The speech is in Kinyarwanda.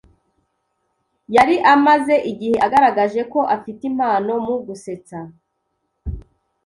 Yari amaze igihe agaragaje ko afite impano mu gusetsa